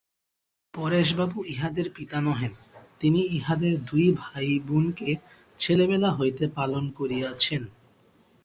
পরেশবাবু ইহাদের পিতা নহেন– তিনি ইহাদের দুই ভাইবোনকে ছেলেবেলা হইতে পালন করিয়াছেন।